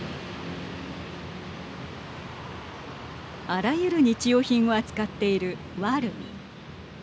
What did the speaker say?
あらゆる日用品を扱っているワルン。